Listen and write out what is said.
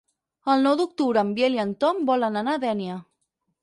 El nou d'octubre en Biel i en Tom volen anar a Dénia.